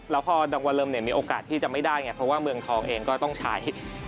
แล้วพอรางวัลเริ่มมีโอกาสที่จะไม่ได้ไงเพราะว่าเมืองทองเองก็ต้องใช้